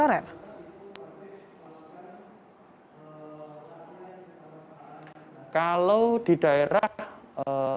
dan apakah menurut bapak skema perekrutan melalui p tiga k ini akan menguntukkan bagi para guru honore